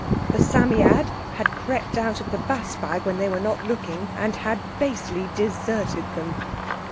The Psammead had crept out of the bass bag when they were not looking and had basely deserted them.